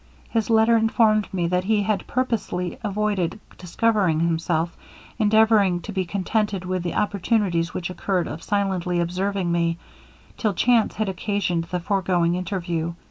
His letter informed me that he had purposely avoided discovering himself, endeavouring to be contented with the opportunities which occurred of silently observing me, till chance had occasioned the foregoing interview.